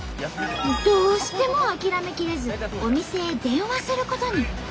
どうしても諦めきれずお店へ電話することに。